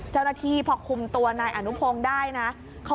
เจ้าหน้าที่พอคุมตัวนายอนุพงศ์ได้นะ